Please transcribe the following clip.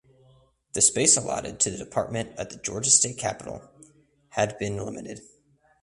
The space allotted to the department at the Georgia State Capitol had been limited.